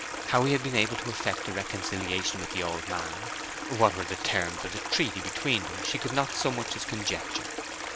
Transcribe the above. How he had been able to effect a reconciliation with the old man, what were the terms of the treaty between them, she could not so much as conjecture.